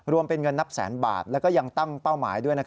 รวมเป็นเงินนับแสนบาทแล้วก็ยังตั้งเป้าหมายด้วย